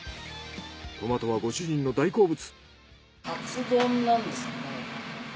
トマトはご主人の大好物。